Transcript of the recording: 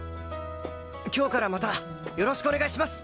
今日からまたよろしくお願いします